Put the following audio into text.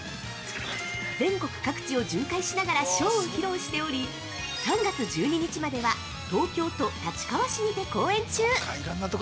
全国各地を巡回しながらショーを披露しており、３月１２日までは東京都立川市にて公演中！